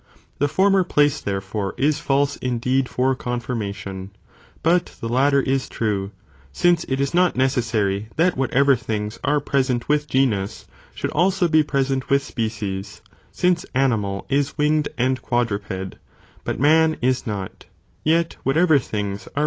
The former place therefore is false indeed for confirmation, but the latter is true, since it is not necessary that whatever things are present with genus, should also be present with species, since animal is winged and quadruped, but man is not, yet whatever things are pre